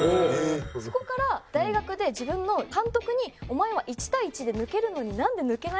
そこから大学で自分の監督に「お前は１対１で抜けるのになんで抜けないんだ？」